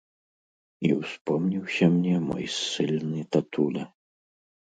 І ўспомніўся мне мой ссыльны татуля.